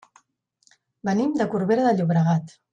Venim de Corbera de Llobregat.